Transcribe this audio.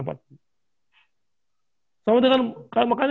makanya kalau veteran itu kan